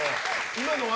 今のは？